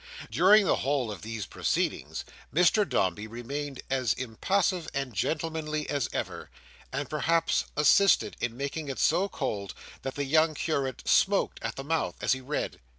During the whole of these proceedings, Mr Dombey remained as impassive and gentlemanly as ever, and perhaps assisted in making it so cold, that the young curate smoked at the mouth as he read.